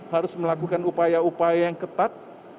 harus melakukan upaya upaya yang ketat